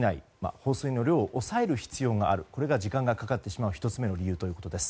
放水の量を抑える必要があるとこれが時間がかかってしまう１つ目の理由ということです。